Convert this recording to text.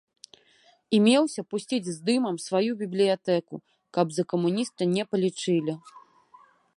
І меўся пусціць з дымам сваю бібліятэку, каб за камуніста не палічылі.